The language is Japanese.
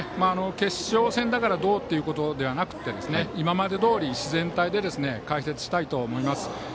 決勝戦ですからどうということではなくて今までどおり、自然体で解説したいと思います。